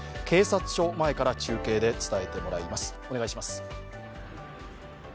警察署前から中継で伝えてもらいます。